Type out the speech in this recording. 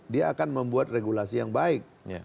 dia akan membuat regulasi yang baik